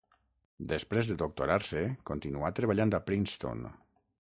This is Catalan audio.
Després de doctorar-se continuà treballant a Princeton.